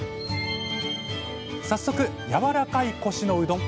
早速やわらかいコシのうどん